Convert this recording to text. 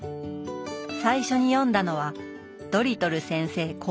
最初に読んだのは「ドリトル先生航海記」。